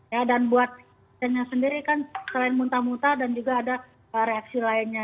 ya dan buatannya sendiri kan selain muntah muntah dan juga ada reaksi lainnya